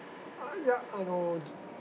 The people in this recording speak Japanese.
いやあの。